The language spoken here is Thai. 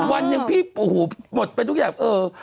วันหนึ่งพี่โอ้โหหมดไปทุกอย่างเออ